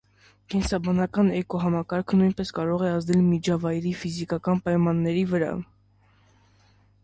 Կենսաբանական էկոհամակարգը նույնպես կարող է ազդել միջավայրի ֆիզիկական պայմանների վրա։